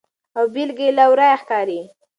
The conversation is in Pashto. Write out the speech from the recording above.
او بیلګه یې له ورایه ښکاري.